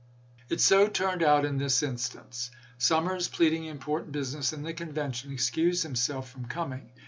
It so turned out in this instance. Summers, pleading impor tant business in the convention, excused himself from coming.